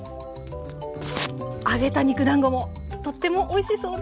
揚げた肉だんごもとってもおいしそうです。